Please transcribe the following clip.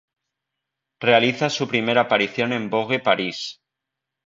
Realiza su primera aparición en Vogue París.